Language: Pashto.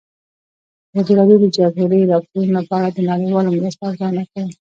ازادي راډیو د د جګړې راپورونه په اړه د نړیوالو مرستو ارزونه کړې.